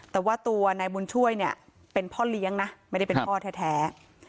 แต่ว่าตัวนายบุญช่วยเนี่ยเป็นพ่อเลี้ยงนะไม่ได้เป็นพ่อแท้